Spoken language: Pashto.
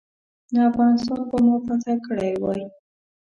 نو افغانستان به مو فتح کړی وای.